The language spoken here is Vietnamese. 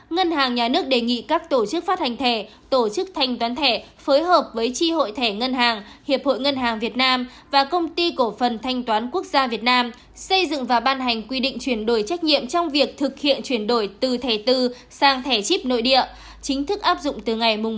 ngân hàng nhà nước đề nghị các tổ chức phát hành thẻ tổ chức thanh toán thẻ phối hợp với tri hội thẻ ngân hàng hiệp hội ngân hàng việt nam và công ty cổ phần thanh toán quốc gia việt nam xây dựng và ban hành quy định chuyển đổi trách nhiệm trong việc thực hiện chuyển đổi từ thẻ tư sang thẻ chip nội địa chính thức áp dụng từ ngày một tháng một